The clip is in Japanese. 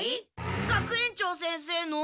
学園長先生の。